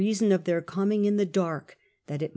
son of their eoniing ijj the dark, that it.